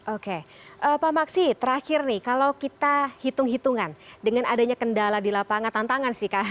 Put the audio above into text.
oke pak maksi terakhir nih kalau kita hitung hitungan dengan adanya kendala di lapangan tantangan sih kak